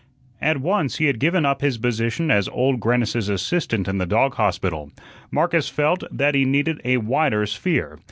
At once he had given up his position as Old Grannis's assistant in the dog hospital. Marcus felt that he needed a wider sphere.